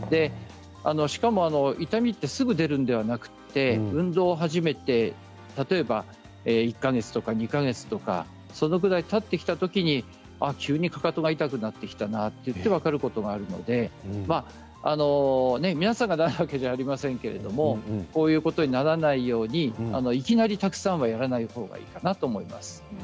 しかも痛みってすぐに出るのではなくて運動を始めて、例えば１か月とか２か月とかそのぐらい、たってきたときに急にかかとが痛くなってきたなといって分かることがあるので皆さんがなるわけではないんですが、こういうことにならないように、いきなりたくさんはやらないほうがいいかなと思います。